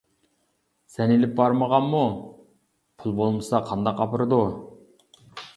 -سەن ئېلىپ بارمىغانمۇ؟ -پۇل بولمىسا قانداق ئاپىرىدۇ؟ !